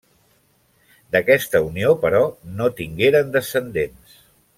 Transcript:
D'aquesta unió, però, no tingueren descendents.